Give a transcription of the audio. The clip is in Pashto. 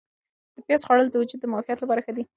د پیاز خوړل د وجود د معافیت لپاره ښه دي.